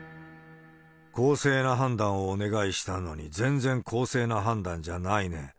公正な判断をお願いしたのに、全然公正な判断じゃないね。